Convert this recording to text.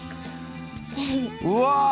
うわ。